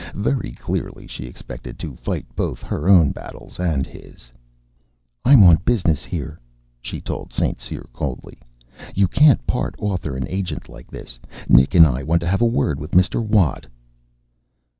Very clearly she expected to fight both her own battles and his. "I'm on business here," she told St. Cyr coldly. "You can't part author and agent like this. Nick and I want to have a word with Mr. Watt."